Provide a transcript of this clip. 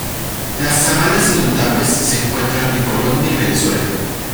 Las sabanas inundables se encuentran en Colombia y Venezuela.